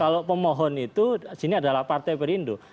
kalau pemohon itu sini adalah partai perindo